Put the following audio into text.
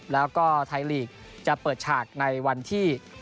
แล้วก็ไทยลีกจะเปิดฉากในวันที่